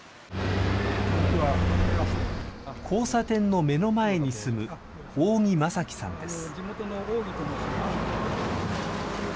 交差点の目の前に住む大木真樹さんです。